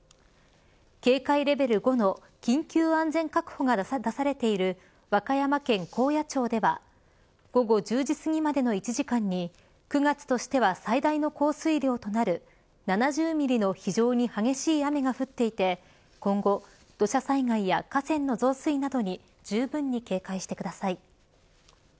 警戒レベル５の緊急安全確保が出されている和歌山県高野町では午後１０時すぎまでの１時間に９月としては最大の降水量となる７０ミリの非常に激しい雨が降っていて今後、土砂災害や河川の増水などにじゅうぶんに警戒してください。